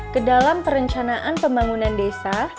ke dalam perencanaan pembangunan desa